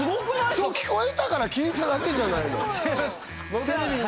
そう聞こえたから聞いただけじゃないの違います